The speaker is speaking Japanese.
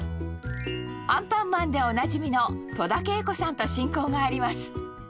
アンパンマンでおなじみの戸田恵子さんと親交があります。